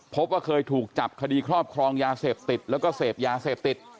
พบว่าเคยถูกจับคดีครอบครองยาเสพติดแล้วก็เสพยาเสพติด